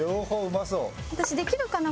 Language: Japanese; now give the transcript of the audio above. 私できるかな？